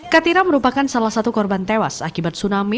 katira merupakan salah satu korban tewas akibat tsunami